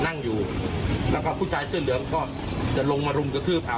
นั่งอยู่แล้วก็ผู้ชายเสื้อเหลืองก็จะลงมารุมกระทืบเอา